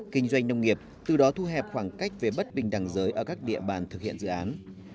kinh doanh nông nghiệp từ đó thu hẹp khoảng cách về bất bình đẳng giới ở các địa bàn thực hiện dự án